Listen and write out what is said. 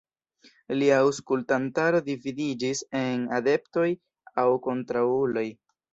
Lia aŭskultantaro dividiĝis en adeptoj aŭ kontraŭuloj.